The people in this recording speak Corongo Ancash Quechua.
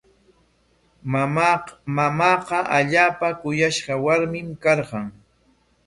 Mamaaqa allaapa kuyashqa warmin karqan.